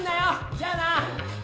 じゃあな！